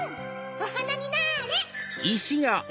おはなになれ！